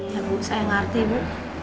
ya bu saya ngerti bu